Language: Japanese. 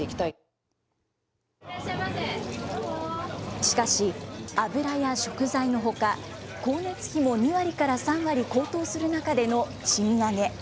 しかし、油や食材のほか、光熱費も２割から３割高騰する中での賃上げ。